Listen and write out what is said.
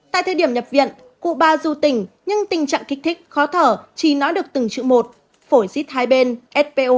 tại thời điểm nhập viện cụ ba du tình nhưng tình trạng kích thích khó thở chỉ nói được từng chữ một phổi xít hai bên spo hai chín mươi năm